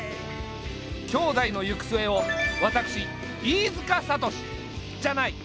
兄妹の行く末を私飯塚悟志じゃない。